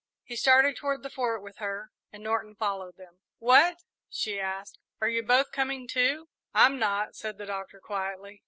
He started toward the Fort with her and Norton followed them. "What?" she asked; "are you both coming, too?" "I'm not," said the Doctor, quietly.